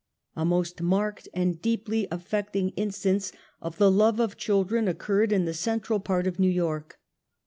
A most marked and, deepl}^ affecting instance of the love of children oc curred in the central part of 'New York.